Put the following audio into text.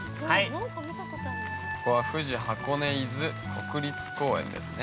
◆富士箱根伊豆国立公園ですね。